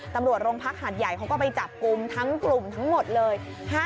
ตำรวจโรงพักหาดใหญ่เขาก็ไปจับกลุ่มทั้งกลุ่มทั้งหมดเลย